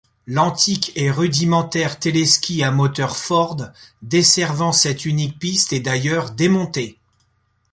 L’antique et rudimentaire téléski à moteur Ford desservant cette unique piste est d’ailleurs démonté.